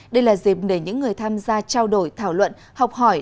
đây là dịp để những người tham gia trao đổi thảo luận học hỏi